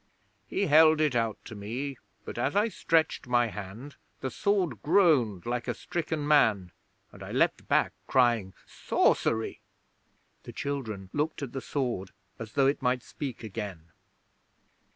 He held it out to me, but as I stretched my hand the sword groaned like a stricken man, and I leaped back crying, "Sorcery!"' [The children looked at the sword as though it might speak again.